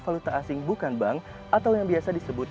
valuta asing bukan bank atau yang biasa disebut